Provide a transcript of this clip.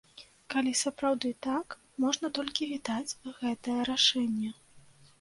Калі сапраўды так, можна толькі вітаць гэтае рашэнне.